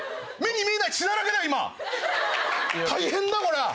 大変だこりゃ。